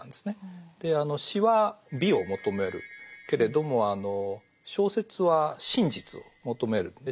で詩は美を求めるけれども小説は真実を求める。